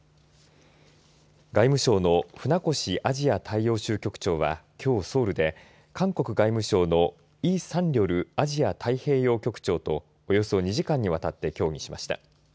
外務省の船越アジア大洋州局長はきょうソウルで韓国外務省のイ・サンリョルアジア太平洋局長とおよそ２時間にわたって協議しました。